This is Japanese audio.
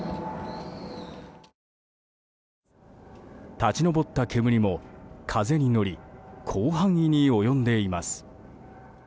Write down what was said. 立ち上った煙も、風に乗り広範囲に及んでいます。